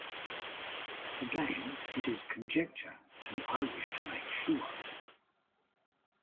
Again it is conjecture, and I wish to make sure.